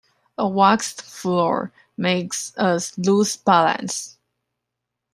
A waxed floor makes us lose balance.